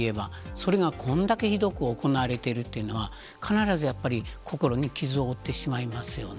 それがこれだけひどく行われているというのは、必ずやっぱり、心に傷を負ってしまいますよね。